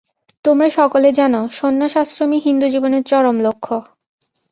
তোমরা সকলে জান, সন্ন্যাস-আশ্রমই হিন্দুজীবনের চরম লক্ষ্য।